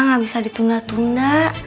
nggak bisa ditunda tunda